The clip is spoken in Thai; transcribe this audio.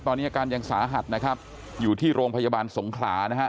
ตอนนี้อาการยังสาหัสนะครับอยู่ที่โรงพยาบาลสงขลานะฮะ